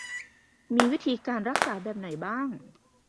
มีวิธีรักษาแบบไหนบ้าง